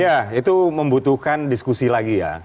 ya itu membutuhkan diskusi lagi ya